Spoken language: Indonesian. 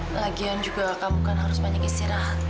lagian juga kamu kan harus banyak istirahat